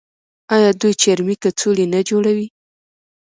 آیا دوی چرمي کڅوړې نه جوړوي؟